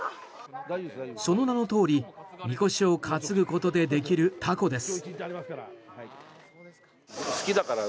その名のとおりみこしを担ぐことでできるたこです。